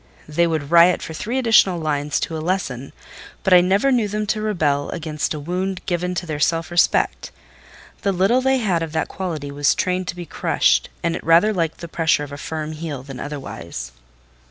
They would riot for three additional lines to a lesson; but I never knew them rebel against a wound given to their self respect: the little they had of that quality was trained to be crushed, and it rather liked the pressure of a firm heel than otherwise.